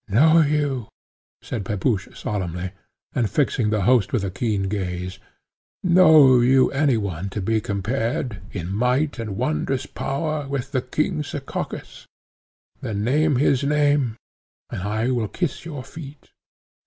"Know you," said Pepusch solemnly, and fixing the host with a keen gaze, "know you any one to be compared, in might and wondrous power, with the king Sekakis; then name his name and I will kiss your feet.